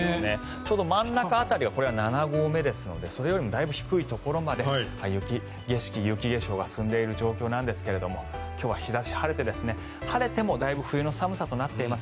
ちょうど真ん中辺りこれが七合目ですのでそれよりもだいぶ低いところまで雪景色、雪化粧が進んでいるところなんですが今日は日差し晴れて晴れてもだいぶ冬の寒さとなっています。